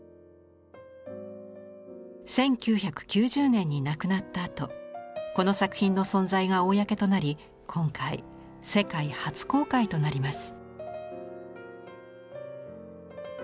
１９９０年に亡くなったあとこの作品の存在が公となり今回世界初公開となります。